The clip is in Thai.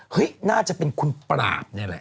น่าจะเป็นคุณปราบนี่แหละ